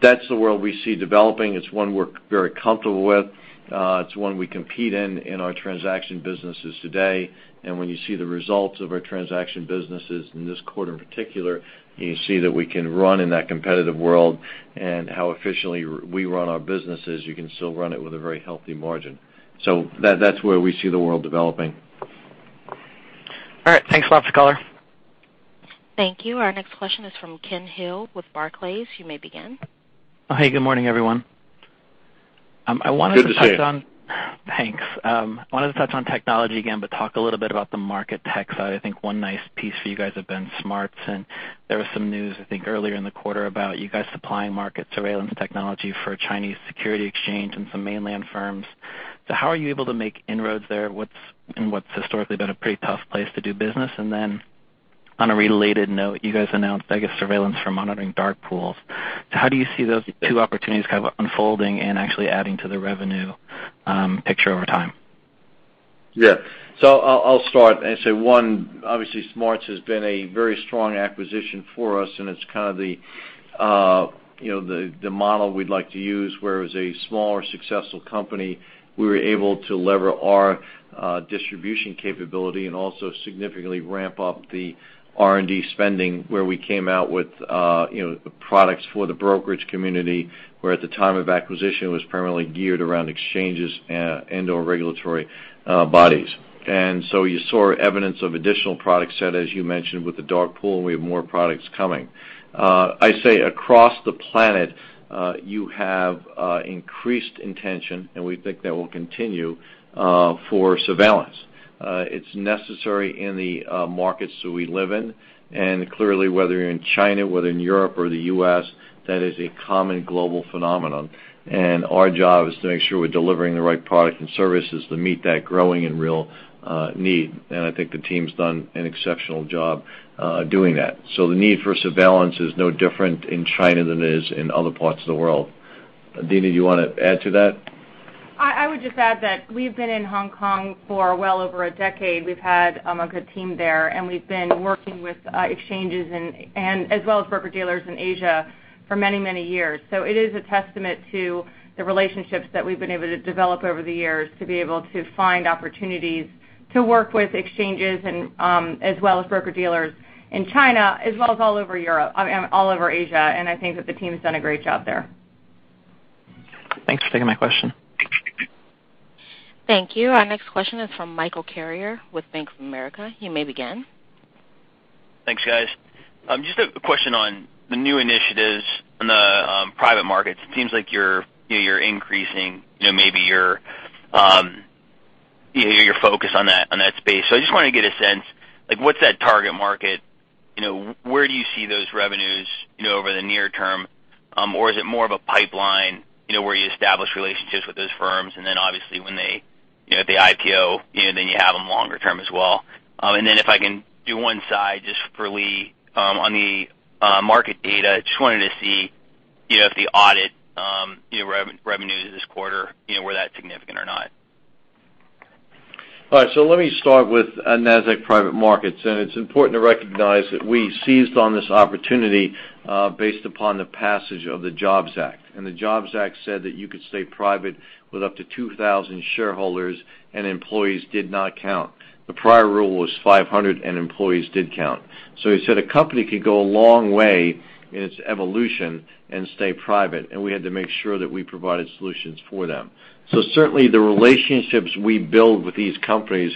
That's the world we see developing. It's one we're very comfortable with. It's one we compete in our transaction businesses today. When you see the results of our transaction businesses in this quarter, in particular, you see that we can run in that competitive world and how efficiently we run our businesses, you can still run it with a very healthy margin. That's where we see the world developing. All right. Thanks a lot for the color. Thank you. Our next question is from Kenneth Hill with Barclays. You may begin. Hey, good morning, everyone. Good to see you. Thanks. I wanted to touch on technology again, talk a little bit about the market tech side. I think one nice piece for you guys have been SMARTS, there was some news, I think, earlier in the quarter about you guys supplying market surveillance technology for Chinese Security Exchange and some mainland firms. How are you able to make inroads there, in what's historically been a pretty tough place to do business? On a related note, you guys announced, I guess, surveillance for monitoring dark pools. How do you see those two opportunities kind of unfolding and actually adding to the revenue picture over time? Yeah. I'll start and say one, obviously, SMARTS has been a very strong acquisition for us, and it's kind of the model we'd like to use, where as a smaller, successful company, we were able to lever our distribution capability and also significantly ramp up the R&D spending where we came out with products for the brokerage community, where at the time of acquisition, it was primarily geared around exchanges and/or regulatory bodies. You saw evidence of additional product set, as you mentioned, with the dark pool, and we have more products coming. I say across the planet, you have increased intention, and we think that will continue for surveillance. It's necessary in the markets that we live in, and clearly, whether you're in China, whether in Europe or the U.S., that is a common global phenomenon. Our job is to make sure we're delivering the right product and services to meet that growing and real need, and I think the team's done an exceptional job doing that. The need for surveillance is no different in China than it is in other parts of the world. Adena, do you want to add to that? I would just add that we've been in Hong Kong for well over a decade. We've had a good team there, and we've been working with exchanges as well as broker-dealers in Asia for many, many years. It is a testament to the relationships that we've been able to develop over the years to be able to find opportunities to work with exchanges and as well as broker-dealers in China, as well as all over Asia, and I think that the team's done a great job there. Thanks for taking my question. Thank you. Our next question is from Michael Carrier with Bank of America. You may begin. Thanks, guys. Just a question on the new initiatives on the private markets. It seems like you're increasing maybe your focus on that space. I just want to get a sense, what's that target market? Where do you see those revenues over the near term? Or is it more of a pipeline where you establish relationships with those firms, and then obviously when they IPO, then you have them longer term as well? And then if I can do one side just for Lee on the market data, just wanted to see if the audit revenues this quarter, where that significantly All right. Let me start with Nasdaq Private Market. It's important to recognize that we seized on this opportunity based upon the passage of the JOBS Act. The JOBS Act said that you could stay private with up to 2,000 shareholders, and employees did not count. The prior rule was 500, and employees did count. It said a company could go a long way in its evolution and stay private, and we had to make sure that we provided solutions for them. Certainly, the relationships we build with these companies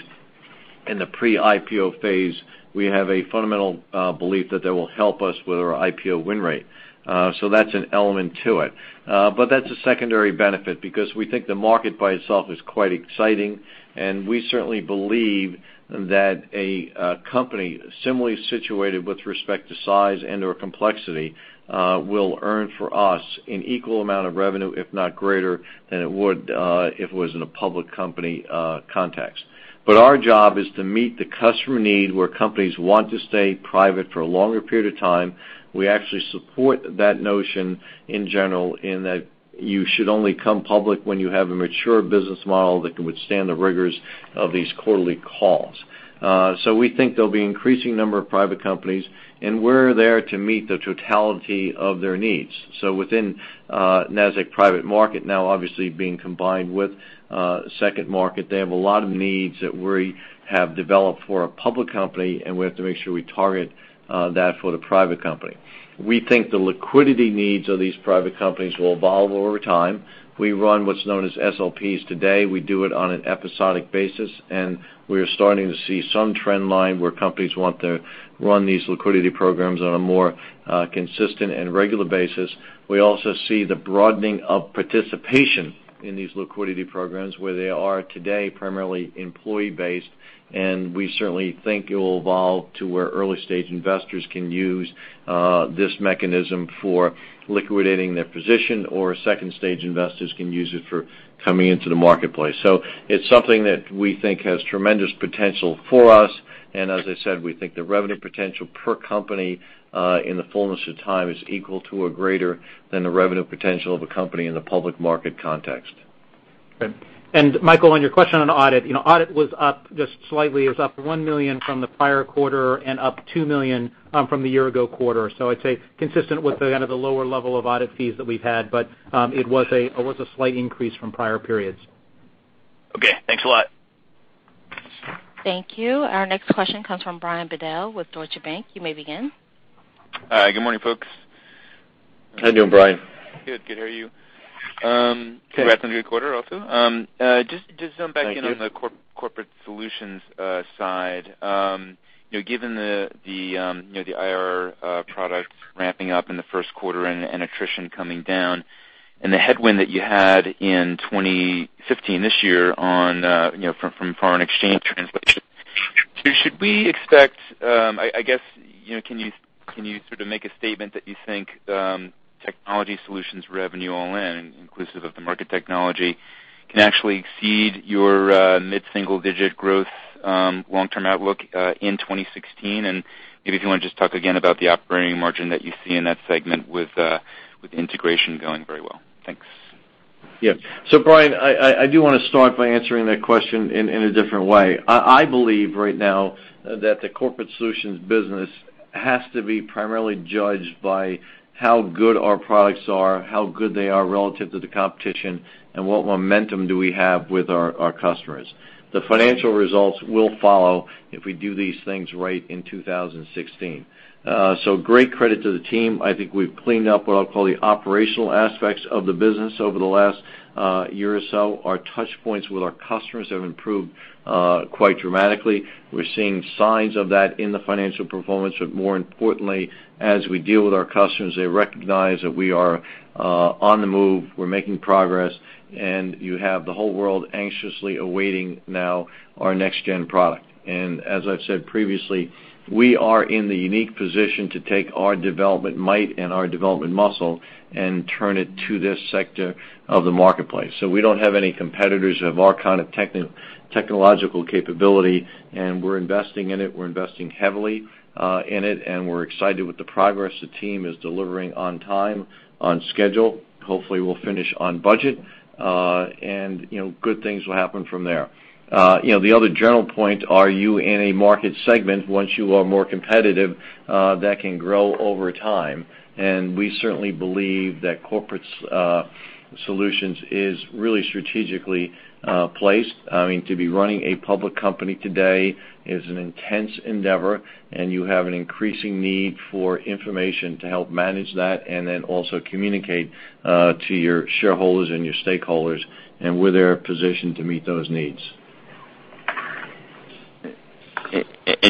in the pre-IPO phase, we have a fundamental belief that they will help us with our IPO win rate. That's an element to it. That's a secondary benefit because we think the market by itself is quite exciting, and we certainly believe that a company similarly situated with respect to size and/or complexity will earn for us an equal amount of revenue, if not greater, than it would if it was in a public company context. Our job is to meet the customer need where companies want to stay private for a longer period of time. We actually support that notion in general, in that you should only come public when you have a mature business model that can withstand the rigors of these quarterly calls. We think there'll be increasing number of private companies, and we're there to meet the totality of their needs. Within Nasdaq Private Market now obviously being combined with SecondMarket, they have a lot of needs that we have developed for a public company, and we have to make sure we target that for the private company. We think the liquidity needs of these private companies will evolve over time. We run what's known as SLPs today. We do it on an episodic basis, and we are starting to see some trend line where companies want to run these liquidity programs on a more consistent and regular basis. We also see the broadening of participation in these liquidity programs where they are today, primarily employee-based, and we certainly think it will evolve to where early-stage investors can use this mechanism for liquidating their position, or second-stage investors can use it for coming into the marketplace. It's something that we think has tremendous potential for us. As I said, we think the revenue potential per company, in the fullness of time, is equal to or greater than the revenue potential of a company in the public market context. Okay. Michael, on your question on audit. Audit was up just slightly. It was up $1 million from the prior quarter and up $2 million from the year-ago quarter. I'd say consistent with kind of the lower level of audit fees that we've had. It was a slight increase from prior periods. Okay, thanks a lot. Thank you. Our next question comes from Brian Bedell with Deutsche Bank. You may begin. Hi. Good morning, folks. How you doing, Brian? Good. Good. How are you? Good. Congrats on your quarter also. Thank you. Just to zoom back in on the corporate solutions side. Given the IR Insight product ramping up in the first quarter and attrition coming down and the headwind that you had in 2015, this year from foreign exchange translation, should we expect, I guess, can you sort of make a statement that you think technology solutions revenue, all in, inclusive of the market technology, can actually exceed your mid-single-digit growth long-term outlook in 2016? Maybe if you want to just talk again about the operating margin that you see in that segment with integration going very well. Thanks. Yeah. Brian, I do want to start by answering that question in a different way. I believe right now that the corporate solutions business has to be primarily judged by how good our products are, how good they are relative to the competition, and what momentum do we have with our customers. The financial results will follow if we do these things right in 2016. Great credit to the team. I think we've cleaned up what I'll call the operational aspects of the business over the last year or so. Our touchpoints with our customers have improved quite dramatically. We're seeing signs of that in the financial performance. More importantly, as we deal with our customers, they recognize that we are on the move, we're making progress, and you have the whole world anxiously awaiting now our NextGen product. As I've said previously, we are in the unique position to take our development might and our development muscle and turn it to this sector of the marketplace. We don't have any competitors who have our kind of technological capability, and we're investing in it. We're investing heavily in it, and we're excited with the progress the team is delivering on time, on schedule. Hopefully, we'll finish on budget. Good things will happen from there. The other general point, are you in a market segment, once you are more competitive, that can grow over time? We certainly believe that corporate solutions is really strategically placed. To be running a public company today is an intense endeavor, and you have an increasing need for information to help manage that and then also communicate to your shareholders and your stakeholders, and we're there positioned to meet those needs.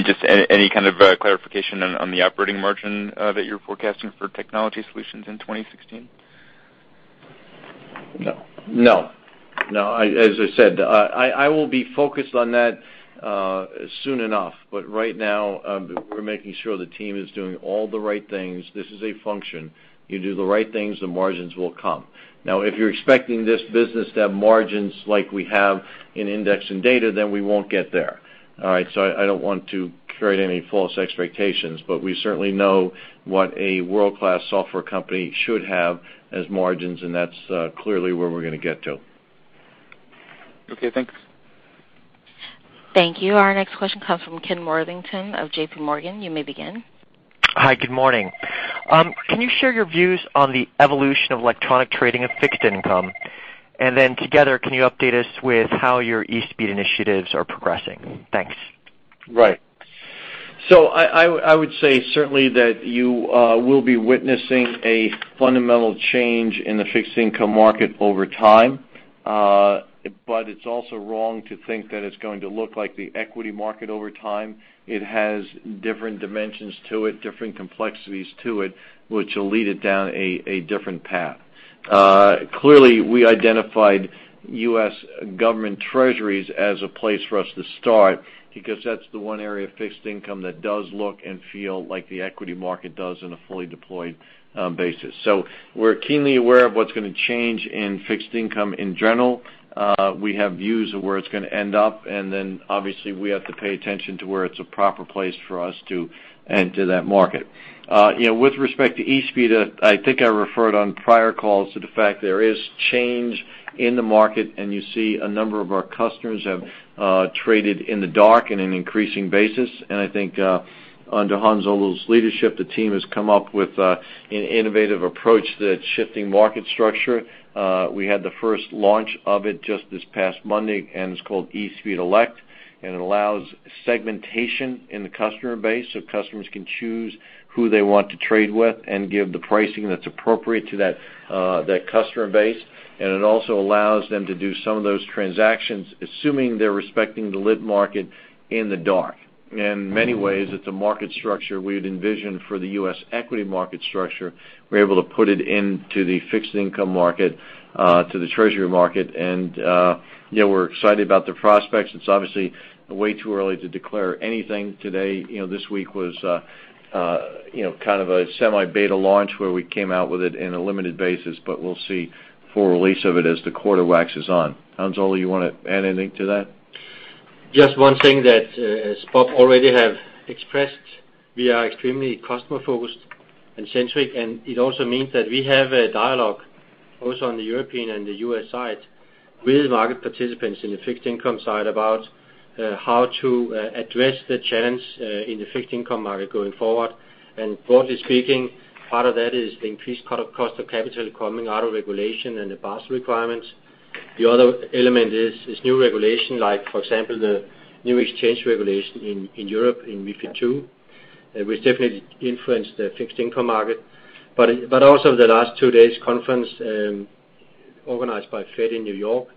Just any kind of clarification on the operating margin that you're forecasting for technology solutions in 2016? No. As I said, I will be focused on that soon enough. Right now, we're making sure the team is doing all the right things. This is a function. You do the right things, the margins will come. If you're expecting this business to have margins like we have in index and data, then we won't get there. I don't want to create any false expectations, but we certainly know what a world-class software company should have as margins, and that's clearly where we're going to get to. Okay, thanks. Thank you. Our next question comes from Kenneth Worthington of JPMorgan. You may begin. Hi, good morning. Can you share your views on the evolution of electronic trading of fixed income? Together, can you update us with how your eSpeed initiatives are progressing? Thanks. Right. I would say certainly that you will be witnessing a fundamental change in the fixed income market over time. It's also wrong to think that it's going to look like the equity market over time. It has different dimensions to it, different complexities to it, which will lead it down a different path. Clearly, we identified U.S. government Treasuries as a place for us to start, because that's the one area of fixed income that does look and feel like the equity market does on a fully deployed basis. We're keenly aware of what's going to change in fixed income in general. We have views of where it's going to end up, and then obviously, we have to pay attention to where it's a proper place for us to enter that market. With respect to eSpeed, I think I referred on prior calls to the fact there is change in the market, you see a number of our customers have traded in the dark on an increasing basis. I think under Hans-Ole's leadership, the team has come up with an innovative approach that's shifting market structure. We had the first launch of it just this past Monday, it's called eSpeed Elect, it allows segmentation in the customer base, so customers can choose who they want to trade with and give the pricing that's appropriate to that customer base. It also allows them to do some of those transactions, assuming they're respecting the lit market in the dark. In many ways, it's a market structure we had envisioned for the U.S. equity market structure. We're able to put it into the fixed income market, to the Treasury market, we're excited about the prospects. It's obviously way too early to declare anything today. This week was kind of a semi-beta launch, where we came out with it in a limited basis, we'll see full release of it as the quarter waxes on. Hans-Ole, you want to add anything to that? Just one thing that, as Bob already have expressed, we are extremely customer-focused and centric, it also means that we have a dialogue, also on the European and the U.S. side, with market participants in the fixed income side about how to address the challenge in the fixed income market going forward. Broadly speaking, part of that is the increased cost of capital coming out of regulation and the Basel requirements. The other element is new regulation, like for example, the new exchange regulation in Europe in MiFID II, which definitely influenced the fixed income market. Also the last two days conference, organized by Fed in New York,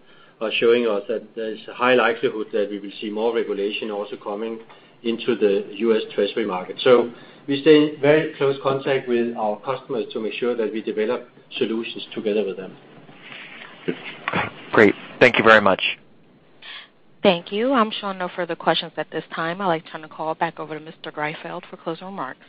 are showing us that there's a high likelihood that we will see more regulation also coming into the U.S. Treasury market. We stay in very close contact with our customers to make sure that we develop solutions together with them. Great. Thank you very much. Thank you. I'm showing no further questions at this time. I'd like to turn the call back over to Mr. Greifeld for closing remarks.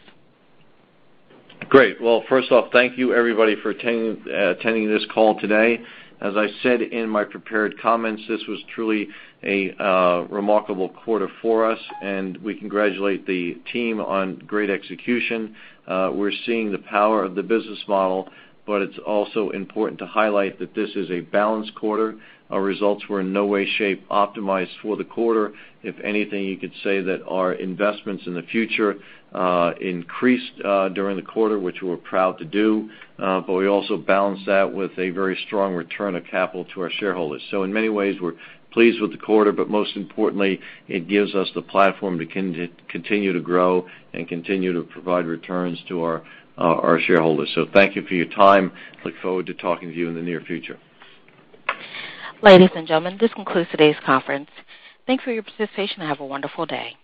Great. Well, first off, thank you everybody for attending this call today. As I said in my prepared comments, this was truly a remarkable quarter for us. We congratulate the team on great execution. We're seeing the power of the business model, but it's also important to highlight that this is a balanced quarter. Our results were in no way, shape optimized for the quarter. If anything, you could say that our investments in the future increased during the quarter, which we're proud to do. We also balanced that with a very strong return of capital to our shareholders. In many ways, we're pleased with the quarter, but most importantly, it gives us the platform to continue to grow and continue to provide returns to our shareholders. Thank you for your time. Look forward to talking to you in the near future. Ladies and gentlemen, this concludes today's conference. Thanks for your participation and have a wonderful day.